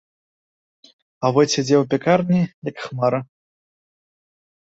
А войт сядзеў у пякарні, як хмара.